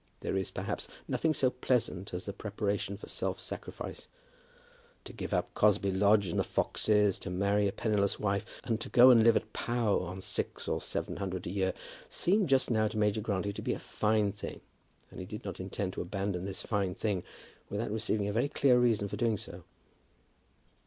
There is, perhaps, nothing so pleasant as the preparation for self sacrifice. To give up Cosby Lodge and the foxes, to marry a penniless wife, and go and live at Pau on six or seven hundred a year, seemed just now to Major Grantly to be a fine thing, and he did not intend to abandon this fine thing without receiving a very clear reason for doing so.